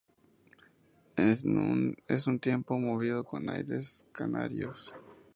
Es un tiempo movido con aires canarios.